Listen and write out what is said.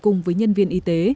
nhân viên y tế